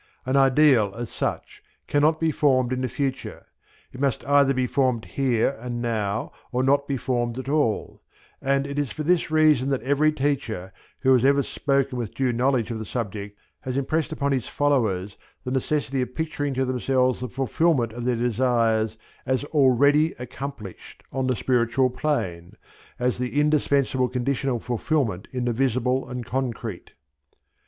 An ideal, as such, cannot be formed in the future. It must either be formed here and now or not be formed at all; and it is for this reason that every teacher, who has ever spoken with due knowledge of the subject, has impressed upon his followers the necessity of picturing to themselves the fulfilment of their desires as already accomplished on the spiritual plane, as the indispensable condition of fulfilment in the visible and concrete.